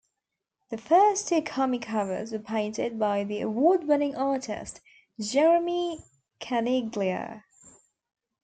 The first two comic covers were painted by the award-winning artist Jeremy Caniglia.